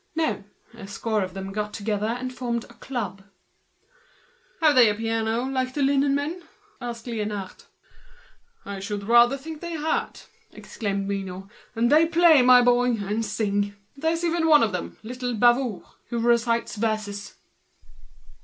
No; a score of them got together and formed a club. "Have they a piano like the linen drapers?" asked Liénard. "I should rather think they have a piano!" exclaimed Mignot. "And they play, my boy, and sing! There's even one of them, little Bavoux, who recites verses."